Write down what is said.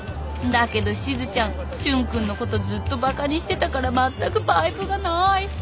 だけどしずちゃん俊君のことずっとバカにしてたからまったくパイプがない。